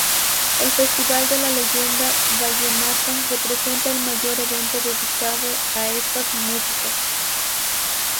El Festival de la Leyenda Vallenata representa el mayor evento dedicado a estas músicas.